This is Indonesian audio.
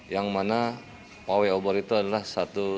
yang mana pawai obor itu adalah satu